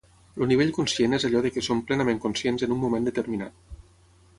El nivell conscient és allò de que som plenament conscients en un moment determinat